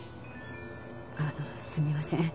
あのすみません。